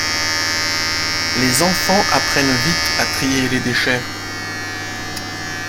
Les enfants apprennent vite à trier les déchets.